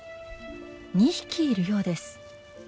２匹いるようです。